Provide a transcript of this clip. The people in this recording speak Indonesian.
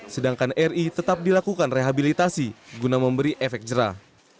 sedangkan ri tetap dilakukan rehabilitasi guna memberi efek jerah